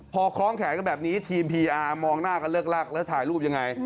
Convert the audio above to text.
พอคล้องแขนกันแบบนี้ทีมพีอาร์มองหน้ากันเลิกลักแล้วถ่ายรูปยังไง